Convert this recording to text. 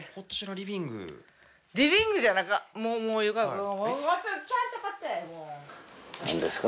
リビングじゃなか。